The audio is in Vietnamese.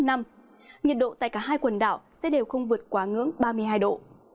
nhiệt độ tại cả hai quần đảo sẽ đều không vượt quá ngưỡng ba mươi hai độ